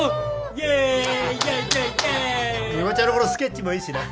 ミコトちゃんのこのスケッチもいいしな。